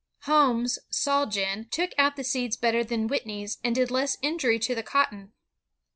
Homes's "saw gin" took out the seeds better than Whit ney's, and did less injury to the cotton.